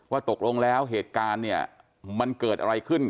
ว่าตกลงแล้วเหตุการณ์มันเกิดอะไรขึ้น